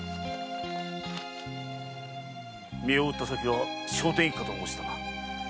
身を売った先は聖天一家と申したな？